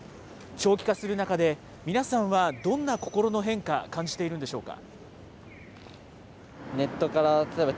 長期化する中で、皆さんはどんな心の変化、感じているんでしょうか。